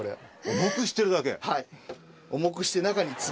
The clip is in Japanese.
重くしてるだけ？